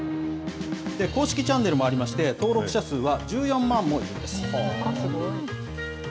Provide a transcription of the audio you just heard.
公式チャンネルもありまして、登録者数は１４万もです。